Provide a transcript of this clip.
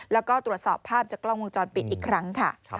แล้วก็ตรวจสอบภาพจากกล้องวงจรปิดอีกครั้งค่ะ